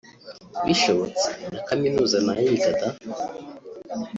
Bishobotse na kaminuza nayiga da